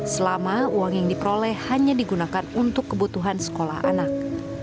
selama uang yang diperoleh hanya digunakan untuk kebutuhan sekolah anak